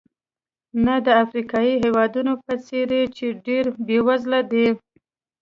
نه د افریقایي هېوادونو په څېر چې ډېر بېوزله دي.